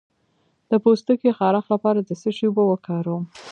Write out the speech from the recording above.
د پوستکي خارښ لپاره د څه شي اوبه وکاروم؟